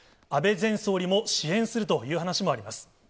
安倍前総理も支援するという話もあります。